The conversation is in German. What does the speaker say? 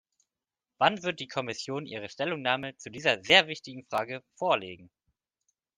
Wann wird die Kommission ihre Stellungnahme zu dieser sehr wichtigen Frage vorlegen?